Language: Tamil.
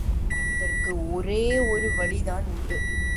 அதற்கு ஒரே ஒரு வழிதான் உண்டு.